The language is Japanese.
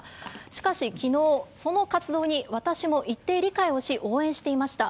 しかしきのう、その活動に私も一定理解をし、応援していました。